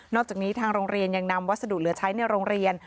อกจากนี้ทางโรงเรียนยังนำวัสดุเหลือใช้ในโรงเรียน